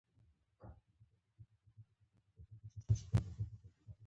هولمز په ارامه خندا سره د خپل پایپ ایرې وڅنډلې